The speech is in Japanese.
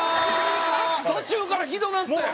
途中からひどなったやん。